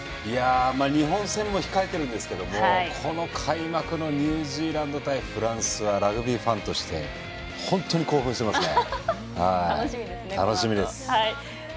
日本戦も控えているんですが、開幕のニュージーランド対フランスはラグビーファンとして本当に興奮しますね。